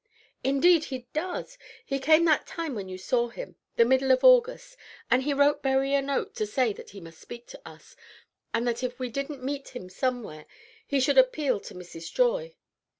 "Indeed, he does. He came that time when you saw him, the middle of August; and he wrote Berry a note to say that he must speak to us, and that if we didn't meet him somewhere, he should appeal to Mrs. Joy.